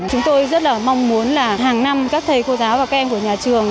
chúng tôi rất là mong muốn là hàng năm các thầy cô giáo và các em của nhà trường